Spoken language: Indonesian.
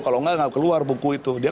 kalau nggak keluar buku itu